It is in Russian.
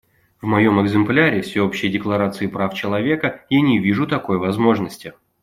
В моем экземпляре Всеобщей декларации прав человека я не вижу такой возможности.